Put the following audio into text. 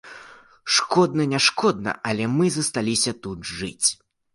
Шкодна не шкодна, але мы засталіся тут жыць.